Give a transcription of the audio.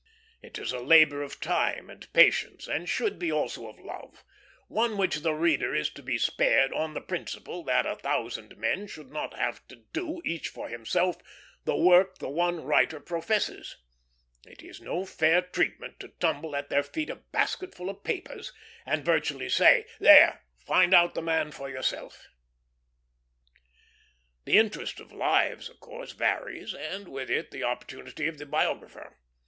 It is a labor of time and patience, and should be also of love; one which the reader is to be spared, on the principle that a thousand men should not have to do, each for himself, the work the one writer professes. It is no fair treatment to tumble at their feet a basketful of papers, and virtually say, "There! find out the man for yourself." The interest of lives, of course, varies, and with it the opportunity of the biographer.